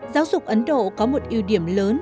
giáo dục ấn độ có một ưu điểm lớn